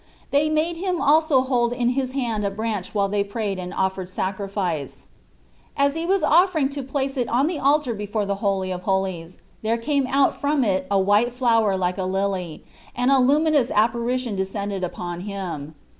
They made him also hold in his hand a branch while they prayed and offered sacrifice. As he was offering to place it on the altar before the Holy of Holies, there came out from it a white flower like a lily, and a luminous appari tion descended upon him.